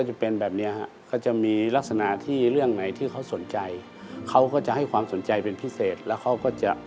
อันนี้เรียกว่าอัจฉริยาได้ไหมคะท่าน